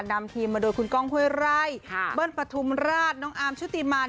นำทีมมาโดยคุณก้องห้วยไร่เบิ้ลปฐุมราชน้องอาร์มชุติมัน